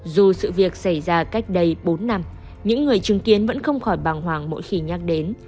dù sự việc xảy ra cách đây bốn năm những người chứng kiến vẫn không khỏi bàng hoàng mỗi khi nhắc đến